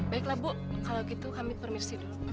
baiklah bu kalau gitu kami permisi dulu